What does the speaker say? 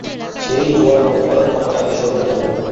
সেই জোয়ার বন্ধ করার ক্ষমতা এ সরকারের থাকবে না।